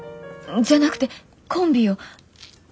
じゃなくてコンビよ。